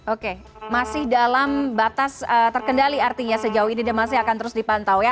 oke masih dalam batas terkendali artinya sejauh ini masih akan terus dipantau ya